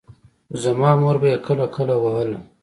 خو زما مور به يې کله کله وهله.